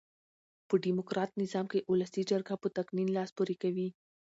په ډیموکرات نظام کښي اولسي جرګه په تقنين لاس پوري کوي.